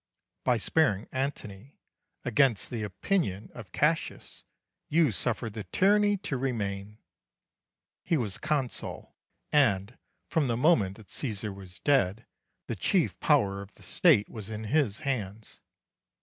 By sparing Antony, against the opinion of Cassius, you suffered the tyranny to remain. He was Consul, and, from the moment that Caesar was dead, the chief power of the State was in his hands.